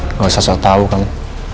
nggak usah tahu kamu